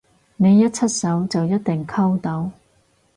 你一出手就一定溝到？